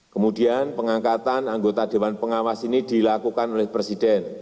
kemudian pengangkatan anggota dewan pengawas ini dilakukan oleh presiden